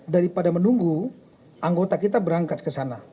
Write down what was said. daripada menunggu anggota kita berangkat ke sana